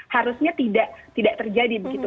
harusnya tidak terjadi